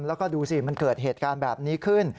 แล้วก็ดูสิมันเกิดเหตุการณ์แบบนี้ขึ้น